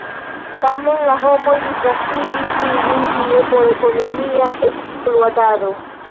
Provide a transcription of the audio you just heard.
Tamen la homoj disvastigis ilin tie por ekonomia ekspluatado.